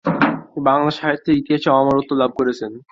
তিনি বাংলা সাহিত্যের ইতিহাসে অমরত্ব লাভ করেছেন।